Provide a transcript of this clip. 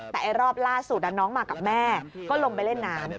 แต่รอบล่าสุดน้องมากับแม่ก็ลงไปเล่นน้ำ